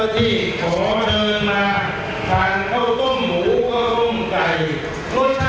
ที่ขอเดินมาทานข้าวต้มหมูข้าวต้มไก่รสชาติ